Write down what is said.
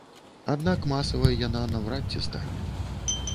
Аднак масавай яна наўрад ці стане.